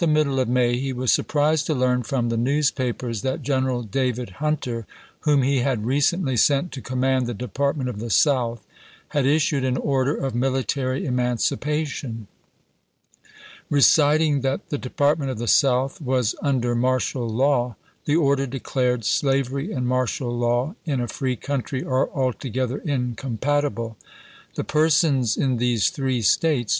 middle of May he was surprised to learn from the newspapers that Greneral David Hunter, whom he had recently sent to command the Department of the South, had issued an order of military emanci pation. Reciting that the Department of the South was under martial law, the order declared, " Slav ery and martial law in a free country are altogether ^(Mer,' incompatible. The persons in these three States — w.